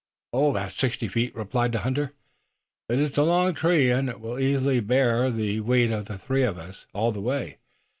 "About sixty feet," replied the hunter, "but it's a long tree, and it will easily bear the weight of the three of us all the way.